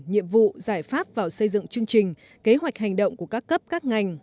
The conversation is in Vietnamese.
nhiệm vụ giải pháp vào xây dựng chương trình kế hoạch hành động của các cấp các ngành